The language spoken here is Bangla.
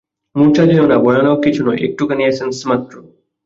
মূর্ছা যেয়ো না, ভয়ানক কিছু নয়, একটুখানি এসেন্স মাত্র।